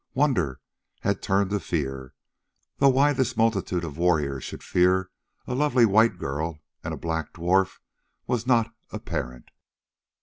Wonder had turned to fear, though why this multitude of warriors should fear a lovely white girl and a black dwarf was not apparent.